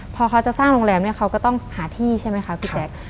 พอเขาจะสร้างโรงแรมเนี่ยเขาก็ต้องหาที่ใช่ไหมคะพี่แจ๊ค